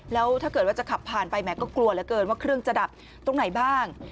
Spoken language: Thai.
แล้วถ้าเกิดว่าจะขับผ่านไปแหมก็กลัวเหลือเกินว่าเครื่องจะดับตรงไหนบ้าง